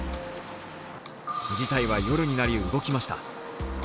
事態は夜になり動きました。